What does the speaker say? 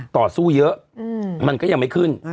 ต่อสู้เยอะมันก็ยังไม่ขึ้น